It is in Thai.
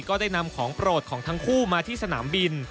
ก็ได้นำของโปรดของทั้งคู่มาที่สนามบิน